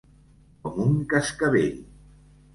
Com un cascavell.